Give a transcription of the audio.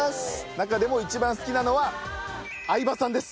中でも一番好きなのは相葉さんです！